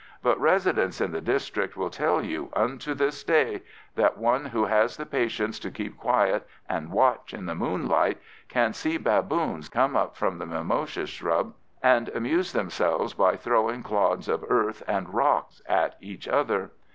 But residents in that district will tell you, unto this day, that one who has the patience to keep quiet and watch in the moonlight can see baboons come up from the mimosa scrub and amuse themselves by throwing clods of earth and rocks at each other.